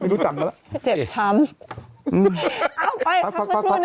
ไม่รู้จักนักละเช็บช้ำเอ้าไป